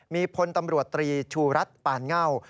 มีพลตำรวจตรีชูรัฐปานเง่า